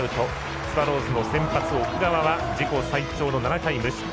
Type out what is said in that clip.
スワローズの先発は自己最長の７回無失点。